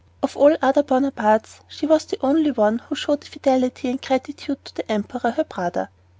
Of all the Bonapartes she was the only one who showed fidelity and gratitude to the great emperor, her brother.